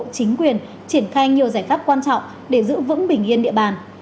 chính quyền triển khai nhiều giải pháp quan trọng để giữ vững bình yên địa bàn